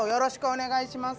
お願いします！